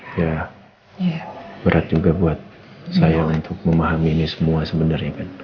ya berat juga buat saya untuk memahami ini semua sebenarnya kan